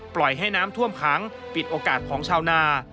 ปล่อยให้น้ำท่วมขังปิดโอกาสของชาวนา